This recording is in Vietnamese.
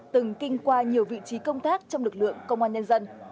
từng kinh qua nhiều vị trí công tác trong lực lượng công an nhân dân